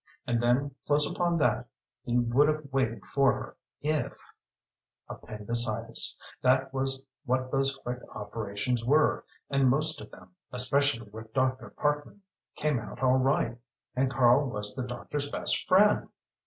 And then close upon that he would have waited for her if Appendicitis that was what those quick operations were. And most of them especially with Dr. Parkman came out all right. And Karl was the doctor's best friend!